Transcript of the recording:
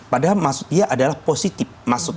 padahal maksudnya adalah positif